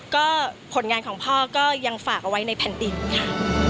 ก็ผลงานของพ่อก็ยังฝากเอาไว้ในแผ่นดินค่ะ